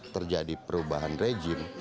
terjadi perubahan rejim